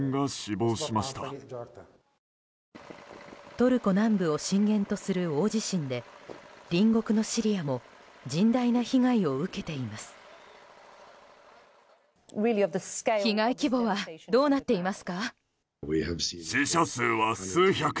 トルコ南部を震源とする大地震で隣国のシリアも甚大な被害を受けています。